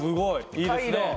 いいですね。